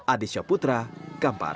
aditya putra kampar